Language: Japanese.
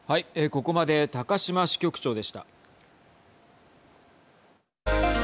ここまで高島支局長でした。